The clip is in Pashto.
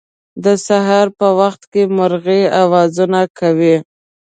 د سهار په وخت مرغۍ اوازونه کوی